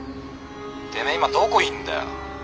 てめえ今どこいんだよ？